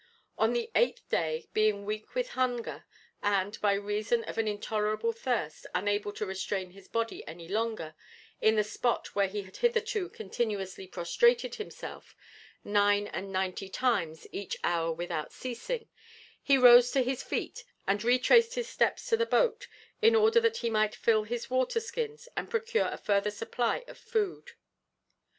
On the eighth day, being weak with hunger and, by reason of an intolerable thirst, unable to restrain his body any longer in the spot where he had hitherto continuously prostrated himself nine and ninety times each hour without ceasing, he rose to his feet and retraced his steps to the boat in order that he might fill his water skins and procure a further supply of food.